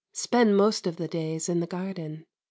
Spend most of the days in the garden.